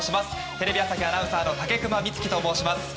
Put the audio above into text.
テレビ朝日アナウンサーの武隈光希と申します。